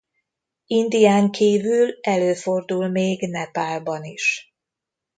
Indián kívül előfordul még Nepálban is.